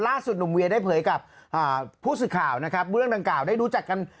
หนุ่มเวียได้เผยกับผู้สื่อข่าวนะครับเรื่องดังกล่าวได้รู้จักกัน